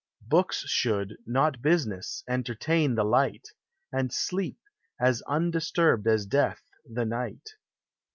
Books should, not business, entertain the light, And sleep, as undisturbed as death, the night.